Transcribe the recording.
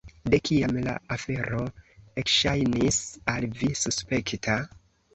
De kiam la afero ekŝajnis al vi suspekta?